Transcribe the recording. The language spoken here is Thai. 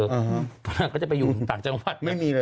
ตอนนั้นก็จะไปอยู่ต่างจังหวัด